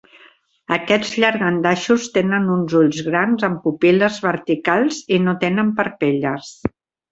Aquests llangardaixos tenen uns ulls grans amb pupil·les verticals i no tenen parpelles.